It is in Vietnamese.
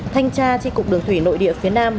thanh tra tri cục đường thủy nội địa phía nam